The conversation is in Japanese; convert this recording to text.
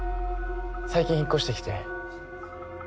最近引っ越してきて。